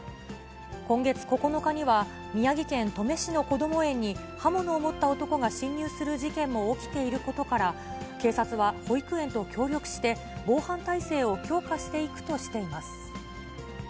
今月９日には、宮城県登米市のこども園に刃物を持った男が侵入する事件も起きていることから、警察は、保育園と協力して、防犯体制を強化していくとしています。